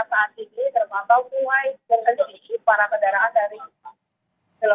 saat ini terpantau kemai berkejutan di para kendaraan dari jokowi